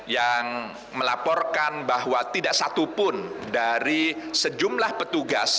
yang melaporkan bahwa tidak satupun dari sejumlah petugas